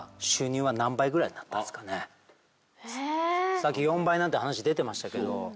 さっき４倍なんて話出てましたけど。